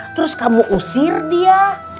terus kamu usir dia